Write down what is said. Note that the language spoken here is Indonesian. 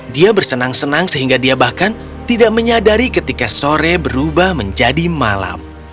dia bersenang senang sehingga dia bahkan tidak menyadari ketika sore berubah menjadi malam